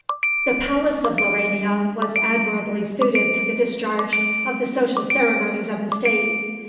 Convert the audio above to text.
The palace of Laurania was admirably suited to the discharge of the social ceremonies of the State.